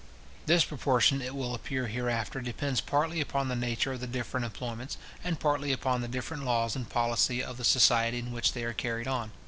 This proportion, it will appear hereafter, depends partly upon the nature of the different employments, and partly upon the different laws and policy of the society in which they are carried on.